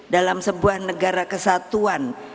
dalam sebuah negara kesatuan